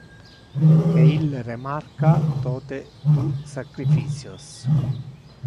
Que ille remarca tote tu sacrificios!